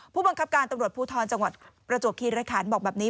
ผู้บังคับการตำรวจภูทรจังหวัดประจวบคีรคันบอกแบบนี้